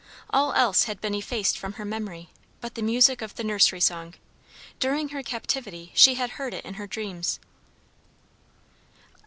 All else had been effaced from her memory, but the music of the nursery song. During her captivity she had heard it in her dreams."